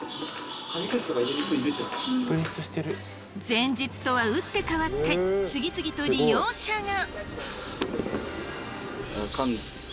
前日とは打って変わって次々と利用者が！